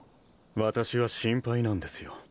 私は心配なんですよ